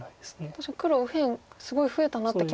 確かに黒右辺すごい増えたなって気も。